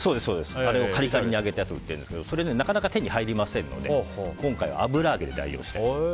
あれをカリカリに揚げたやつがあるんですけどなかなか手に入りませんので今回は油揚げで代用して。